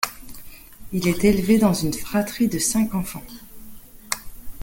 Il est élevé dans une fratrie de cinq enfants.